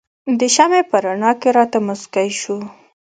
د شمعې په رڼا کې راته مسکی شو.